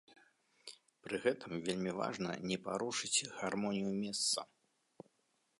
Пры гэтым вельмі важна не парушыць гармонію месца.